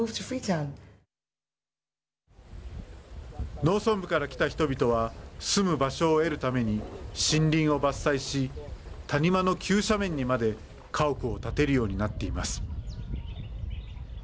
農村部から来た人々は住む場所を得るために森林を伐採し谷間の急斜面にまで家屋を建てるようになっています。